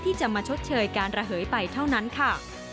ที่จะมาชดเชยการระเหยไปเท่านั้นค่ะ